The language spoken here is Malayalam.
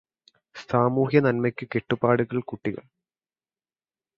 സാമൂഹ്യനന്മയ്കു കെട്ടുപാടുകള് കുട്ടികള്